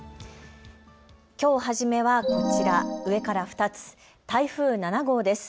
きょう初めはこちら、上から２つ、台風７号です。